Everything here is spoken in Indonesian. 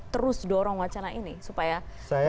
terus dorong wacana ini supaya